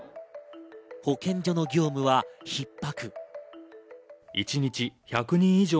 保健所の業務は逼迫。